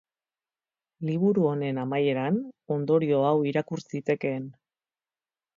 Liburu honen amaieran ondorio hau irakur zitekeen.